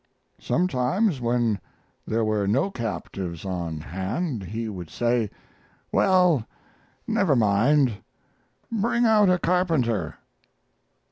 Sometimes when there were no captives on hand he would say, 'Well, never mind; bring out a carpenter.'